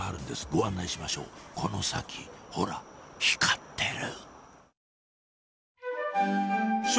ご案内しましょうこの先ほら光ってる！